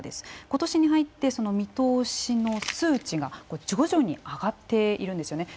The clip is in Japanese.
今年に入って見通しの数値が徐々に上がっているんですよね。